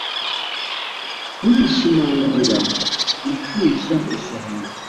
Nkibishimangira gushyushya isahani